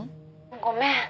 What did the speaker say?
「ごめん」